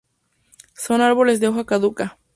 Son árboles de hoja caduca.